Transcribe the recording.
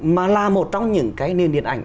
mà là một trong những cái nền điện ảnh